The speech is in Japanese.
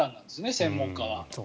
専門家は。